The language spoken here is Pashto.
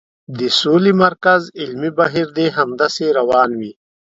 د سولې مرکز علمي بهیر دې همداسې روان وي.